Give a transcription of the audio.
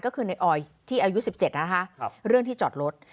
ก็คือในออยที่อายุ๑๗นะคะเรื่องที่จอดรถ